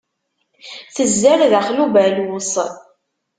Tezzer daxel ubaluṣ.